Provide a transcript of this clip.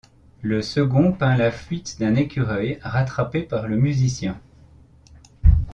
Le second peint la fuite d'un écureuil rattrapé par le musicien.